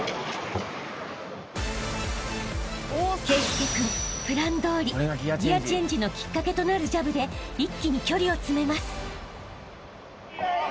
［圭佑君プランどおりギアチェンジのきっかけとなるジャブで一気に距離を詰めます］